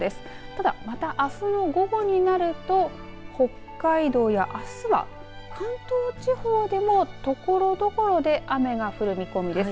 ただ、またあすの午後になると北海道や、あすは関東地方でもところどころで雨が降る見込みです。